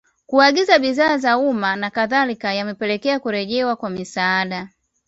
Kuagiza bidhaa za umma na kadhalika yamepelekea kurejelewa kwa misaada